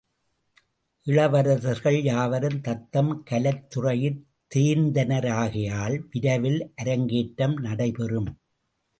இளவரசர்கள் யாவரும் தத்தம் கலைத் துறையிற் தேர்ந்தனராகையால் விரைவில் அரங்கேற்றம் நடைபெறும்.